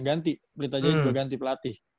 ganti beritanya juga ganti pelatih